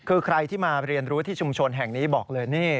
คือใครที่มาเรียนรู้ที่ชุมชนแห่งนี้บอกเลยนี่